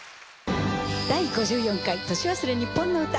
『第５４回年忘れにっぽんの歌』。